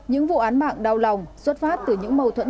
những vụ án mạng đau lòng xuất phát từ những mâu thuẫn